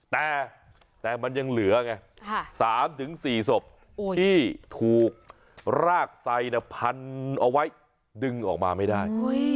แต่มันยังเหลือไง๓๔ศพที่ถูกรากไซพันเอาไว้ดึงออกมาไม่ได้